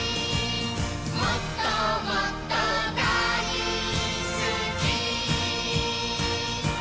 「もっともっとだいすき」